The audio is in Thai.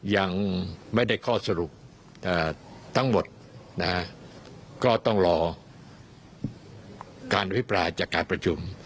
ยังไม่ได้ข้อสรุปทั้งหมดนะก็ต้องรอการอภิปรายจากการประชุม